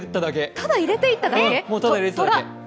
ただ入れていっただけ。